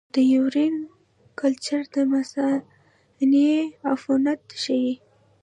د یورین کلچر د مثانې عفونت ښيي.